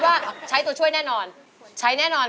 ก็แม่งค่ะใช้ตัวช่วยแน่นอน